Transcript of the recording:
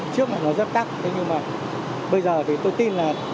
trước này nó rất tắc nhưng mà bây giờ thì tôi tin là